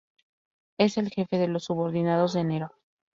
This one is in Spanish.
Es el jefe de los subordinados de Nero.